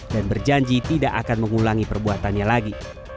dan berjanji tidak akan mengulangi perbuatannya lagi